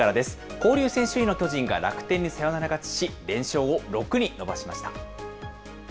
交流戦首位の巨人が楽天にサヨナラ勝ちし、連勝を６に伸ばしました。